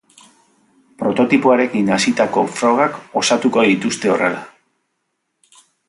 Prototipoarekin hasitako frogak osatuko dituzte horrela.